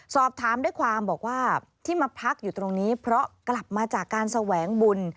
สอบถามด้วยความบอกว่าที่มาพักอยู่ตรงนี้เพราะกลับมาจากการแสวงบุญ